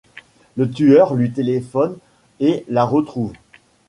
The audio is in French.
Le tueur lui téléphone et la retrouve.